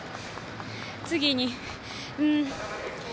次にうーん。